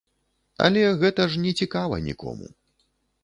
Але гэта ж нецікава нікому.